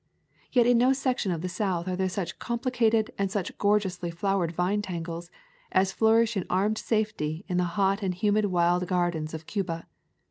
Yet in no section of the South are there such complicated and such gorgeously flowered vine tangles as flourish in armed safety in the hot and humid wild gardens of Cuba.